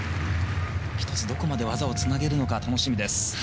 １つ、どこまで技をつなげるのか楽しみです。